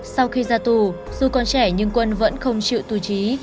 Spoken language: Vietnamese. sau khi ra tù dù còn trẻ nhưng quân vẫn không chịu tù trí